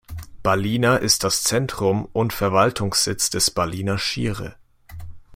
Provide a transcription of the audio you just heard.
Ballina ist das Zentrum und Verwaltungssitz des Ballina Shire.